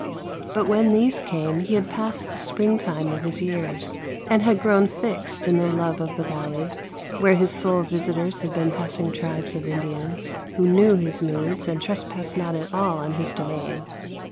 But when these came he had passed the spring time of his years, and had grown fixed in the love of the valley, where his sole visitors had been passing tribes of Indians, who knew his moods and trespassed not at all on his domain.